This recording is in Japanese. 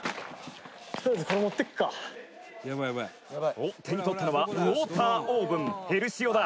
清水：「手に取ったのはウォーターオーブンヘルシオだ」